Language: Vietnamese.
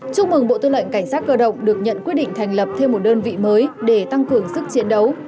chúc mừng bộ tư lệnh cảnh sát cơ động được nhận quyết định thành lập thêm một đơn vị mới để tăng cường sức chiến đấu